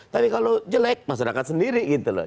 tapi kalau jelek masyarakat sendiri gitu loh